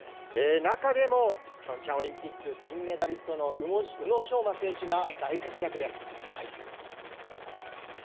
中でも、ピョンチャンオリンピック銀メダリストの宇野昌磨選手が大活躍です。